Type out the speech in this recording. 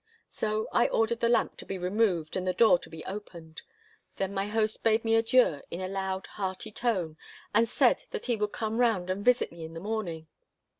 So I ordered the lamp to be removed and the door to be opened. Then my host bade me adieu in a loud, hearty tone, and said that he would come round and visit me in the morning.